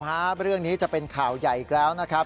เรื่องนี้จะเป็นข่าวใหญ่อีกแล้วนะครับ